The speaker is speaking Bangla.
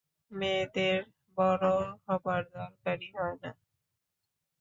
মেয়েদের বড়ো হবার দরকারই হয় না।